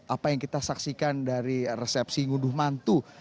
apa yang kita saksikan dari resepsi ngunduh mantu